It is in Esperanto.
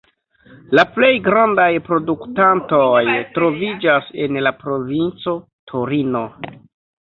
La plej grandaj produktantoj troviĝas en la provinco Torino.